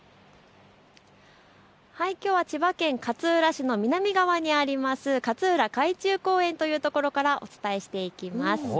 きょうは千葉県勝浦市の南側にある勝浦海中公園というところからお伝えしていきます。